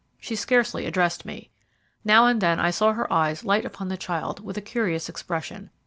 She scarcely addressed me. Now and then I saw her eyes light upon the child with a curious expression.